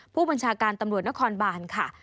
ผู้บัญชาการตำรวจนครบานค่ะ